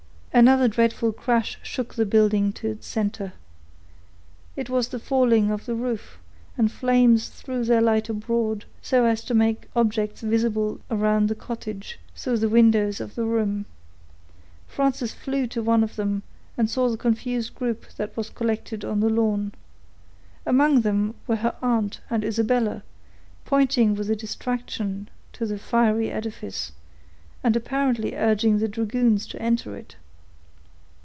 Another dreadful crash shook the building to its center. It was the falling of the roof, and the flames threw their light abroad, so as to make objects visible around the cottage, through the windows of the room. Frances flew to one of them, and saw the confused group that was collected on the lawn. Among them were her aunt and Isabella, pointing with distraction to the fiery edifice, and apparently urging the dragoons to enter it.